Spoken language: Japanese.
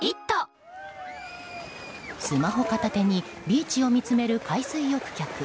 スマホ片手にビーチを見つめる海水浴客。